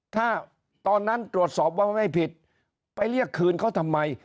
ถ้าตอนนั้นตรวจสอบว่าไม่ผิดไปเรียกคืนเขาทำไม